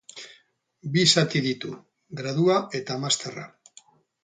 Bi zati ditu: gradua eta masterra.